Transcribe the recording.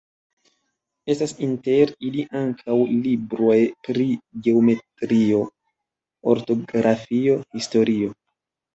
Estas inter ili ankaŭ libroj pri geometrio, ortografio, historio.